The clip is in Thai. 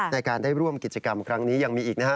ในการได้ร่วมกิจกรรมครั้งนี้ยังมีอีกนะครับ